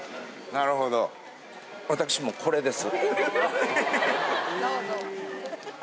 なるほど私もこれです。